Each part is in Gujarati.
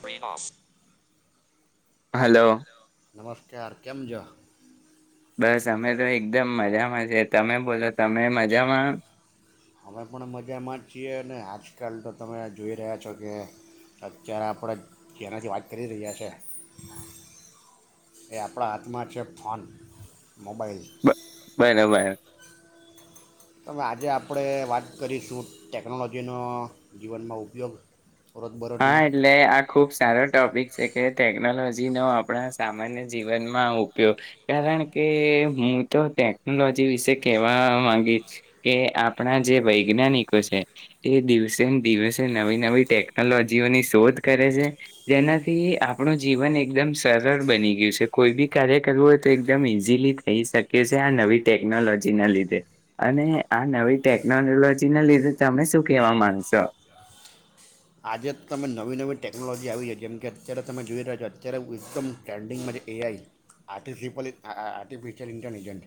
પ્રિનાસ. હલો. નમસ્કાર, કેમ જોા. બસ અમે તો એકદમ મજામાં છે તમે બોલો તમે મજામાં. અમે પણ મજામાં જ છીએ અનેને આજકાલ તો તમે જોઈ રહ્યા છો કે અત્યારે આપણે જેનાથી વાત કરી રહ્યા છે એ આપણા હાથમાં છે ફોન મોબાઈલ. બને બાઈ. હવે, આજે આપણે વાત કરીશું. ટેકનોલોજીનો જીવનમાં ઉપયોગ. હા, રોજબરોજના એટલે આ ખુબ સારો ટોપિક કે ટેકનોલોજી નો આપણા સામાન્ય જીવનમાં ઉપયોગ કારણ કે હું તો ટેકનોલોજી વિશે કેહેવા માંગીશ કે આપણા જે વૈજ્ઞાનિકો છે એ દિવસે ને દિવસે નવી નવી ટેક ટેકનોલોજીઓની શોધ કરે છે જેનાથી આપણું જીવન એકદમ સરળ બની ગયું છે કોઈ બી કાર્ય કરવું હોય તો એકદમ ઈઝીલી થઈ શકે છે આ નવી ટેકનોલોજીના લીધે અને આ નવી ટેકનોલોજીના લીધે તમે શું કહેવા માંગશો? આજે તમે નવી નવી ટેકનોલોજી આવી છે જેમ કે, અત્યારે તમે જોઈ રહ્યા છો અત્યારે એકદમ ટ્રેન્ડિંગમાં જે એઆઈ આર્ટિફલ આર્ટિફિશિયલ ઇન્ટેલિજન્ટ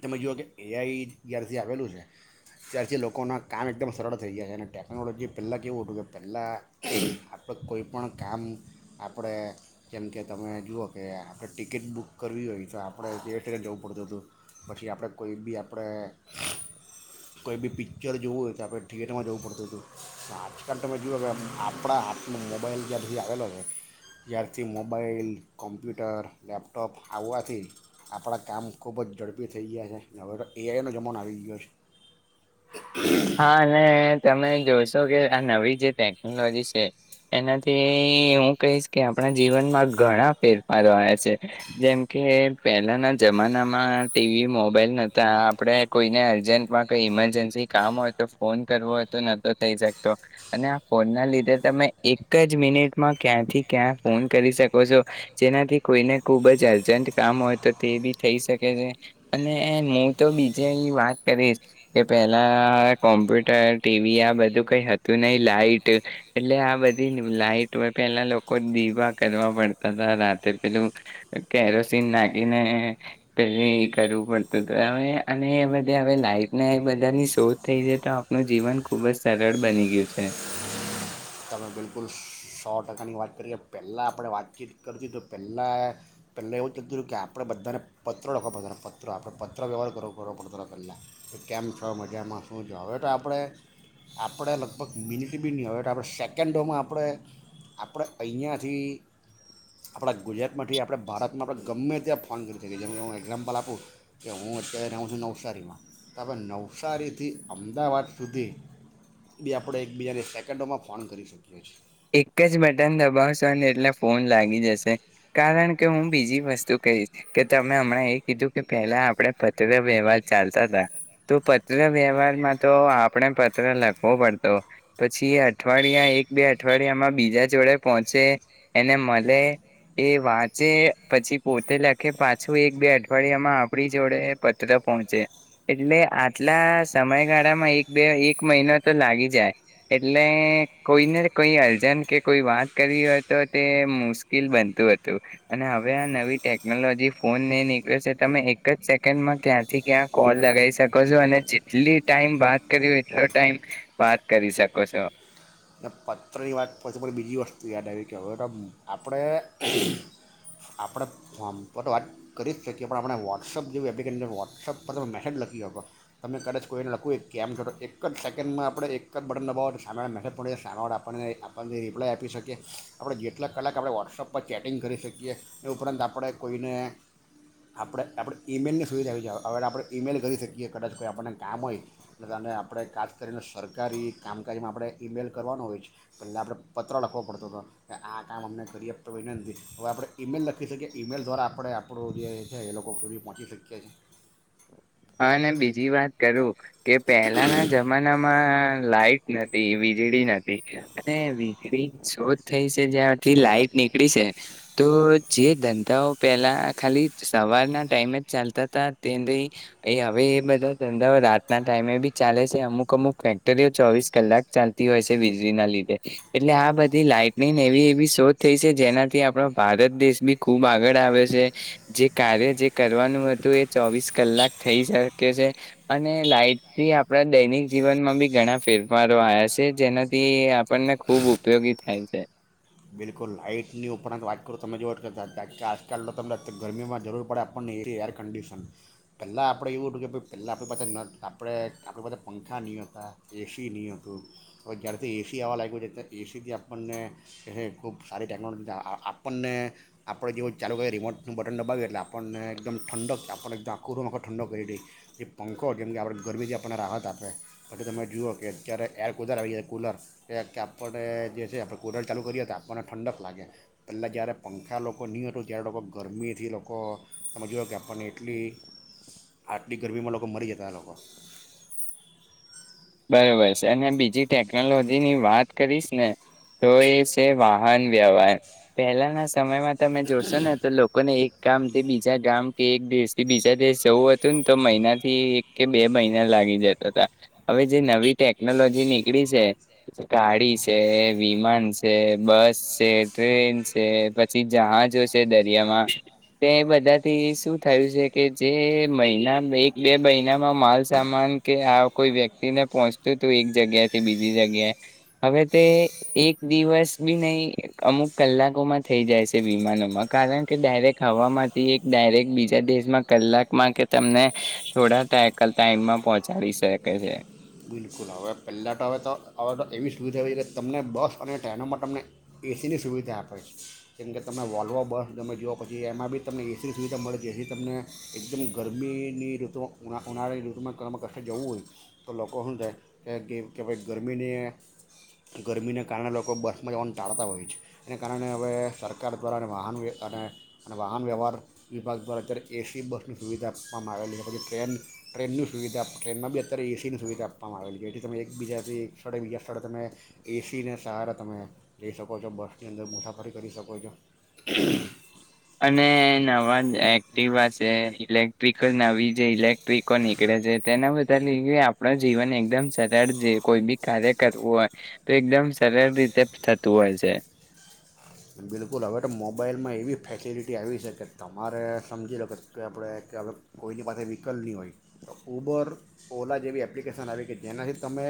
તમે જુઓ કે એઆઈ જ્યારથી આવેલું છે ત્યારથી લોકોના કામ એકદમ સરળ થઈ જાય છે અને ટેકનોલોજી પહેલાં કેવું હતું કે પહેલાં આપણે કોઈપણ કામ આપણે જેમકે તમે જુઓ કે આપણે ટિકિટ બુક કરવી હોય તો આપણે થિયેટરે જવું પડતું હતું પછી આપણે કોઈ બી આપણે કોઈ બી પિક્ચર જોવું હોય તો આપણે થિયેટરમાં જવું પડતું હતું આ કારણ તમે જુઓ કે આપણા હાથમાં મોબાઈલ જ્યારથી આવેલો છે ત્યારથી મોબાઈલ, કોમ્પ્યુટર, લેપટોપ આવવાથી જ આપણાં કામ ખૂબ ઝડપી થઈ ગયા છે હવે તો એઆઈનો જમાનો આવી ગયો છે. હા, અને તમે જોશો કે આ નવી જે ટેકનોલોજી છે એનાથી હું કહીશ કે આપણા જીવનમાં ઘણા ફેરફારો આવ્યા છે. જેમ કે, પહેલાના જમાનામાં ટીવી મોબાઈલ નતા આપણે કોઈને અર્જન્ટમાં કઈ ઈમરજન્સી કામ હોય તો ફોન કરવો હોય તો નતો થઈ શકતો અને આ ફોન ના લીધે તમે એક જ મિનિટમાં ક્યાંથી ક્યાં ફોન કરી શકો છો. જેનાથી કોઈને ખુબ જ અર્જન્ટ કામ હોય તો તે બી થઈ શકે છે અને હું તો બીજે એ વાત કરીશ કે પેલા- પહેલા કોમ્પ્યુટર, ટીવી આ બધું કઈ હતું નહી લાઈટ એટલે આ બધી લાઈટ પહેલા લોકો દીવા કરવા પડતા હતાા રાતે પેલું કેરોસીન નાખીને પેહવી કરવું પડતું હતું. હવે, અને એ બધ હવે લાઈટ એની શોધ થઈ જાય તો આપનું જીવન ખુબ જ સરળ બની ગયું છે. તમે બિલકુલ સો ટકાની વાત કરી કે, પહેલાં આપણે વાતચીત કરતી તો પહેલાં, પહેલાં એવું થતું હતું કે આપણે બધાને પત્ર લખવો પડતો પત્ર, આપણે પત્ર વ્યવહાર કરવો કરવો પડતો પહેલાં કેમ છો મજામાં શું છે હવે તો આપણે, આપણે લગભગ મિનિટ બી નહીં હવે તો આપણે શેક સેકન્ડોમાં આપણે, આપણે અહીંયાથી આપણા ગુજરાતમાંથી આપણે ભારતમાં આપણે ગમે ત્યાં ફોન કરી શકીએ. જેમ હું એક્ઝામ્પલ આપું કે હું અત્યારે રહું છું નવસારીમાં તો આપણે નવસારીથી અમદાવાદ સુધી બી આપણે એકબીજાને સેકન્ડોમાં ફોન કરી શકી [unintelligible] એક જ બટન દબાવશો ને એટલે ફોન લાગી જશે કારણ કે હું, બીજી વસ્તુ કહીશ કે તમે હમણાં એ કીધું કે પહેલા આપણે પત્ર વ્યવહાર ચાલતા હતા તો પત્ર વ્યવહારમાં તો આપણે પત્ર લખવો પડતો પછી એ અઠવાડિયા એક બે અઠવાડિયામાં બીજા જોડે પહોંચે એને મળે એ વાંચે પછી પોતે લખે પાછું એક બે અઠવાડિયામાં આપણી જોડે પત્ર પહોંચે એટલે આટલા સમયગાળામાં એક બે એક મહિનો તો લાગી જાય એટલે કોઈને કોઈ અર્જન્ટ કે કોઈ વાત કરી હોય તો તે મુશ્કલ બનતું હતું અને હવે આ નવી ટેકનોલોજી ફોન નહી નીકળ્યો છે તમે એક જ સેકન્ડમાં ક્યાંથી ક્યાં કોલ લગાવી શકો છો અને જેટલી ટાઈમ વાત કર એટલો ટાઈમ વાત કરી શકો છો અને પત્રની વાત પછી પ બીજી વસ્તુ યાદ આવી કે હવે તો આપણે આપણે ફોર્મ તો તો વાત કરી જ શકીએ પણ આપણે વોટ્સઅપ જેવી એપ્લિકેશન વોટ્સઅપ પર તમે મેસેજ લખીકો તમે કદાચ કોઈને લખું કેમ છો તો એક જ સેકન્ડમાં આપણે એક જ બટન દબાવો તો સામેવાળા મેસેજ પ જાય સામેવાળા આપણે આપણને આપણને રિપ્લાય આપી શકીએ આપણે જેટલા કલાક આપણે વોટ્સઅપ પર ચેટિંગ કરી શકીએ એ ઉપરાંત આપણે કોઈને આપણે આપણે ઈમેલની સુવિધા આવી છે હવે આપણે ઇમેલ કરી શકીએ કદાચ કોઈ આપણને કામ હોય એટલે તને આપણે ખાસ કરીને સરકારી કામકાજમાં આપણે ઇમેલ કરવાનો હોય છે પહેલા આપણે પત્ર લખવો પડતો હતો કે આ કામ અમને કરીએ તો વિ નથી હવે આપણે ઈમેલ લખી શકીએ ઈમેલ દ્વારા આપણે આપણું જે છે એ લોકો સુધી પહોંચી શકીએ છીએ હા અને બીજી વાત કરું કે પહેલાના જમાનામાં લાઈટ નથી વીજળી નથી અને વીજળી શ થઈ છે જ્યાંથી લાઈટ નીકળી છે તો જે ધંધાઓ પેલા ખાલી સવારના ટાઈમે જ ચાલતા ત તે એ હવે એ બધા ધંધા રાતના ટાઈમે બી ચાલે છે અમુક અમુક ફેક્ટરીઓ ચોવીસ કલાક ચાલતી હોય છે વીજળી ના લીધે એટલે આ બધી લાાઈટનિંગ એવી એવી શોધ થઈ છે જેનાથી આપણાો ભારત દેશ બી ખુબ આગળ આવે છે જે કાર્ય જે કરવાનું હતું એ ચોવીસ કલાક થઈ શકે છે અને લાઈટથી આપણા દૈનિક જીવનમાં બી ઘણા ફેરફારો આવ્યા છે જેનાથી આપણને ખૂબ ઉપયોગી થાય છે લાાઈટની ઉપરાંત વાત કરો તમે જો કરતાણ કે આજકાલ તો તમને ગરમીમાં જરૂર પડે આપણને એ એર કંડિશન પહેલાં આપણે એવું હતું કે ભાઈ પહેલાં આપણી પાસે ન આપણે આપણી પાસે પંખા નહીં હતા એસી નહીં હતું હવે જ્યારેથી એસી આવવા લાગ્યું છે ત્યારે એસીથી આપણને ખૂબ સારી ટેકનોલોજી આપણને આપણે જેવું ચાલુ કરીએ રિમોટનું બટન દબાવ્યું એટલે આપણને એકદમ ઠંડક આપણ એકદમ આખોરો આખો ઠંડક કરી દી એ પંખો જેમ કે આપણે ગરમીથી આપણને રાહત આપે પલે તમે જુઓ કે અત્યારે એર કૂલર આવી જાય કૂલર એ કે આપણે જે છે આપણે કૂલર ચાલુ કરીએ હતાણે લોકોણને ઠંડક લાગે પહેલાં જ્યારે પંખા લોકો નહીં હતું ત્યારે લોકો ગરમીથી લોકો તમે જોયો કે આપણને એટલી આટલી ગરમીમાં લોકો મરી જતા લોકો બરોબર છે અને બીજી ટેકનોલોજી ની વાત કરીશ ને તો એ છે વાહન વ્યવહાર પહેલાના સમયમાં તમે જોશો ને તો લોકોને એક કામ તે બીજા ગામ કે એક દેશ થી બીજા દેશ જવું હતું ને તો મહિના થી એક કે બે મહિના લાગી જતા હતાા હવે જે નવી ટેકનોલોજી નીકળી છે ગાડી છે વિમાન છે બસ છે ટ્રેન છે પછી જહાજો છે દરિયામાં તે બધાથી શું થયું છે કે જે મહિના એક બે મહિનામાં માલસામાન કે આ કોઈ વ્યક્તિ પહોંચતું હતું એક જગ્યાથી બીજી જગ્યાએ હવે તે એક દિવસ બી નહી અમુક કલાકોમાં થઈ જાય છે વિમાનોમાં કારણ કે ડાયરેક્ટ હવામાંથી એક ડાયરેક્ટ બીજા દેશમાં કલાકમાં કે તમને થોડા ટાઈમમાં પહોંચાડી શકે છે બિલકુલ હવે પહેલાં તો હવે તો હવે તો એવી સુવિધા હોવી છે કે તમને બસ અને ટ્રેનોમાં તમને એસીની સુવિધા આપે છે કેમ કે તમે વોલ્વો બસ તમે જુઓ પછી એમાં બી તમને એસીની સુવિધા મળે છે જેથી તમને એકદમ ગરમીની ઋતુમાં ઉ ઉનાળની ઋતુમાં કષ જવું હોય તો લોકો લોકો શું થાય કે કે ભાઈ ગરમીની ગરમીને કારણે લોકો બસમાં જવાનું ટાળતા હોય છે એના કારણે હવે સરકાર દ્વારા અને વાહન અને વાહન વ્યવહાર વિભાગ દ્વારા અત્યારે એસી બસની સુવિધા આપવામાં આવેલી છે પછી ટ્રેન ટ્રેનની સુવિધા ટ્રેનમાં બી અત્યારે એસીની સુવિધા આપવામાં આવેલ છે જેથી તમે એક બીજાથી સ્થળે બીજા સ્થળે તમે એસીને સહારા તમે લઈ શકો છો બસની અંદર મુસાફરી કરી શકો છો અને નવા એક્ટવા છે ઇલેક્ટ્રિક નવી જે ઇલેક્ટ્રિકો નીકળે છે તેના બદ આપણ જીવન એકદમ સરળ જે કોઈ બી કાર્ય કરવું હોય તો એકદમ સરળ રીતે થતું હોય છે બિલકુલ હવે તો મોબાઈલમાં એવી ફેસિલિટી આવી છે કે તમારે સમજી લો કે કે આપણે કે હવે કોઈની પાસે વ્હીકલ નહીં હોય તો ઉબર ઓલા જેવી એપ્લિકેશન આવી કે જેનાથી તમે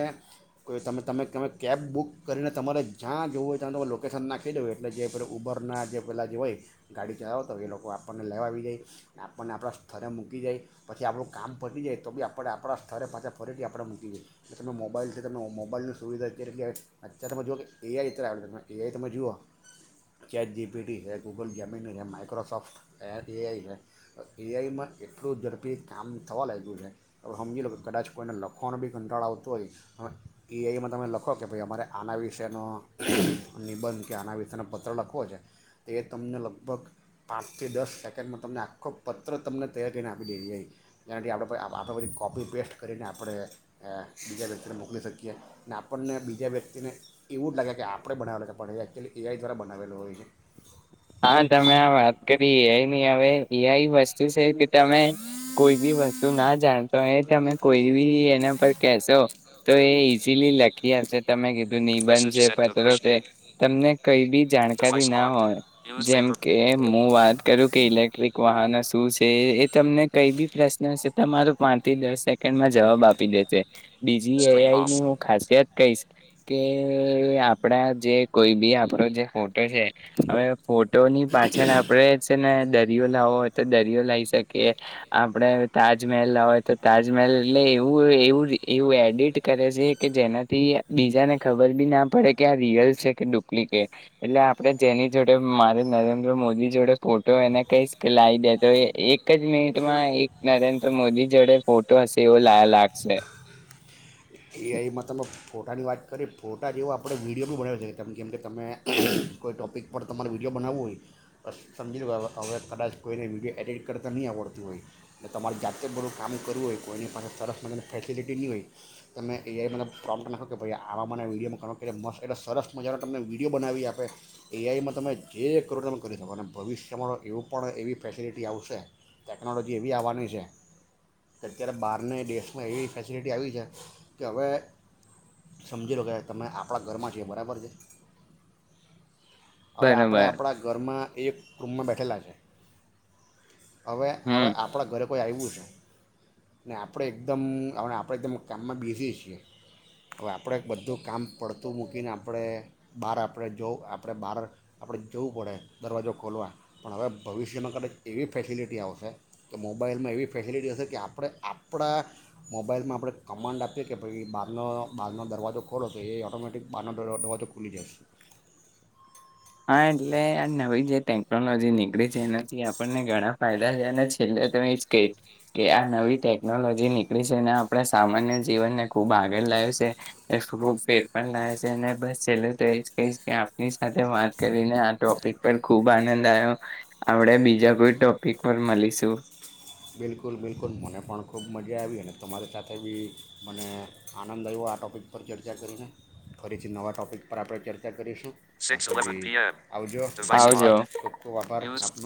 કોઈ તમે તમે તમે કેબ બુક કરીને તમારે જ્યાં જવું હોય ત્યાં તમે લોકેશન નાખી દઉ એટલે જે પ ઉબરના જે પહેલાં જે હોય ગાડી ચલાવતા હોય એ લોકો આપણને લેવા આવી જાય આપણને આપણા સ્થરે મૂકી જાય પછી આપણું કામ ફરી જાય તો બી આપણે આપણા સ્થરે પાછા ફરેથી આપણે મૂકી જઈએ એટલે તમે મોબાઈલ છે તમે મોબાઈલની સુવિધા અત્યારેય અત્યારે તમે જુઓ કે એઆઈ અત્યારે આવે તમે એઆઈ તમે જુઓ ચેટ જીપીટી છે ગૂગલ જમીન છે માઇક્રોસોફ્ટ એઆઈ છે એઆઈમાં એટલું ઝડપી કામ થવા લાગ્યું છે તો સમજી લો કે કદાચ કોઈને લખવાનો બી કંટાળ આવતો હોય એઆઈમાં તમે લખો કે ભાઈ અમારે આના વિશેનો નિબંધ કે આના વિશે સાથેનો પત્ર લખવો છે તો એ તમને લગભગ પાંચથી દસ સેકન્ડમાં તમને આખો પત્ર તમને તૈયાર કરીને આપી દેએ જેનાથી આપણે આ બધી કોપી પેસ્ટ કરીને આપણે બીજા વ્યક્તિને મોકલી શકીએ અને આપણને બીજા વ્યક્તિને એવું જ લાગે કે આપણે બનાવેલો છે પણ એ એકચ્યુલી એઆઈ દ્વારા બનાવેલું હોય છે હા તમે આ વાત કરી એઆઈ ની હવે એઆઈ વસ્તુ છે તમે કોઈ બી વસ્તુ ના જાણતો એ તમે કોઈ બી એના પર કેહેશો તો એ ઈઝીલી લખી આપશે તમે કધું નિબંધ છે પ કે તમને કઈ બી જાણકારી ના હોય જેમ કે હું વાત કરું કે ઇલેક્ટ્રિક વાહનો શું છે તમને કઈ બી પ્રશ્ન હશે તમારો પાંચ થી દસ સેકન્ડ માં જવાબ આપી દેશે બીજી એ આઈ ની હું ખાસિયત કહીશ કે આપડા જે કોઈ બી આપણો જે ફોટો છે હવે ફોટ તોની પાછળ આપડે છે ને દરિયો લાવો હોય તો દરિયો લાવ શકીએ આપડે તાજમહેલ લાવોય તો તાજમહેલ એટલે એવું એવું એવું એડિટ કરે છે કે જેનાથી બીજાને ખબર બી ના પડે કે આ રિયલ છે કે ડુપ્લિકેટ એટલે આપણે જેની જો મારે નરેન્દ્ર મોદી જોડે ફોટો એને કહીશ કે લાવી દે તો એક જ મિનિટમાં એક નરેન્દ્ર મોદી જોડે ફોટો હશે એવો લ લાગશે એ એમાં તમે ફોટાની વાત કરી ફોટા જેવો આપણે વિડીયો બી બનાવી શકીએ તેમ કેમ કે તમે કોઈ ટૉપિક પર તમારે વિડીયો બનાવવો હોય બ સમજી લો હવે કદાચ કોઈને વિડીયો એડિટ કરતાં નહીં આવડતું હોય ને તમારે જાતે જ બધું કામ કરવું હોય કોઈની પાસે સરસ મને ફેસિલિટી નહીં હોય તમે એઆઈમાં પ્રોબ્મ કરી નાખો કે ભાઈ આવા મને વિડીયોમાં કરણો એટલે મસ્ત એટલે સરસ મજાનો તમને વિડીયો બનાવી આપે એઆઈમાં તમે જે કરો તમે કરી શકો અને ભવિષ્યમાં એવું પણ એવી ફેસિલિટી આવશે ટેકનોલોજી એવી આવવાની છે કે અત્યારે બહારને દેશમાં એવી ફેસિલિટી આવી છે કે હવે સમજી લો કે તમે આપણા ઘરમાં છી બરાબર છે હવે બરોબર આપડે આપણા ઘરમાં એક રૂમમાં બેઠ ખેલા છે હવે હમ હવે આપણા ઘરે કો આવ્યું છેને આપણે એકદમ આપણે કામમાં બ [inaudible] હવે આપણે બધું કામ પડતું મૂકીને આપણે બહાર આપણે જોવું આપણે બહાર આપણે જવું પડે દરવાજો ખોલવા પણ હવે ભવિષ્યમાં કદાચ એવી ફેસિલિટી આવશે કે મોબાઈલમાં એવી ફેસિલિટી હશે કે આપણે આપણા મોબાઈલમાં આપણે કમાન્ડ આપ કે ભ બાારનો બહારનો દરવાજો ખોલો તો એ ઓઑટોમેટિક બહારનો દરવાજો ખુલી જાયશે હા એટલે આ નવી જે ટેકનોલોજી નીકળી છે એનાથી આપણને ઘણા ફાયદા છે અને છેલ્લે તો એજ કહીશ કે આ નવી ટેકનોલોજી નીકળી છે એને આપણે સામાન્ય જીવનને ખૂબ આગળ લાવ છે ખો ફેર પણ લાવે છે અનેને બસ છેલ્લું તો એજ કહીશ કે આપની સાથે વાત કરીને આ ટોપિક પર ખુબ આનંદ આવ્યો આપડે બીજા કોઈ ટોપિક પર મળીશું બિલકુલ બિલકુલ મને પણ ખૂબ મજા આવી અને તમારી સાથે બી મને આનંદ આવ્યો આ ટોપિક પર ચર્ચા કરીને ફરીથી નવા ટોપિક પર આપણે ચર્ચા કરીશું આવજો આવજો ધન્યવાદ [inaudible]